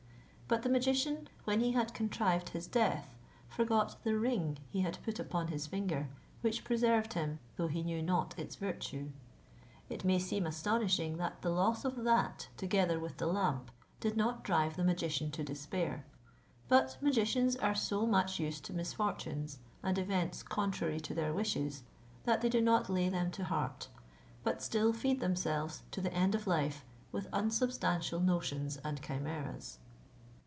But the magician, when he had contrived his death, forgot the ring he had put upon his finger, which preserved him, though he knew not its virtue. It may seem astonishing that the loss of that, together with the lamp, did not drive the magician to despair; but magicians are so much used to misfortunes, and events contrary to their wishes, that they do not lay them to heart, but still feed themselves, to the end of life, with unsubstantial notions and chimeras.